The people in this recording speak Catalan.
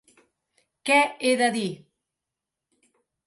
Què he de dir?